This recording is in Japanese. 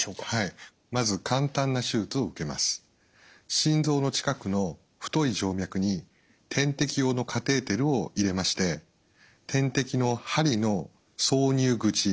心臓の近くの太い静脈に点滴用のカテーテルを入れまして点滴の針の挿入口ポートをですね